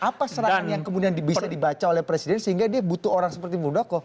apa serangan yang kemudian bisa dibaca oleh presiden sehingga dia butuh orang seperti muldoko